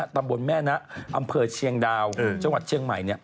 ตำบลแม่นะอำเภอเชียงดาวจังหวัดเชียงใหม่